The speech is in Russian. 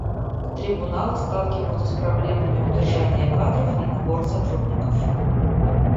Трибуналы сталкиваются с проблемами удержания кадров и набора сотрудников.